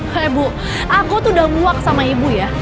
eh bu aku tuh udah muak sama ibu ya